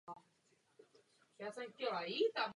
Ta skončila neúspěchem.